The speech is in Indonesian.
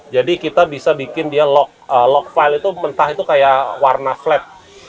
jadi kita bisa bikin dia lock file itu mentah itu kayak warna flat